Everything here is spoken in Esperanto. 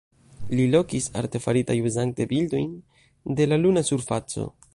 Li lokis artefaritaj uzante bildojn de la luna surfaco.